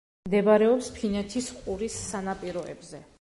მდებარეობს ფინეთის ყურის სანაპიროებზე.